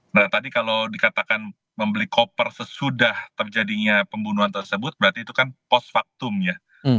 nah tadi kalau dikatakan membeli koper sesudah terjadinya pembunuhan tersebut berarti itu kan post factum ya